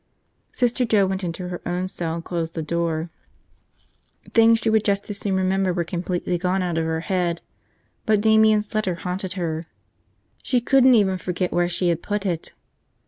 Sister Joe went into her own cell and closed the door. Things she would just as soon remember were completely gone out of her head, but Damian's letter haunted her. She couldn't even forget where she had put it.